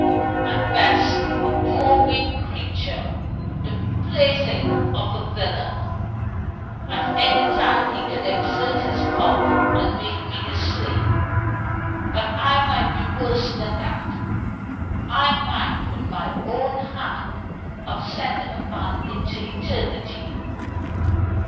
At best a poor weak creature, the plaything of a villain. At any time he could exert his power and make me his slave. But I might be worse than that. I might, with my own hand, have sent a man into eternity.